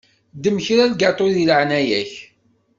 Ddem kra n lgaṭu deg leεnaya-k.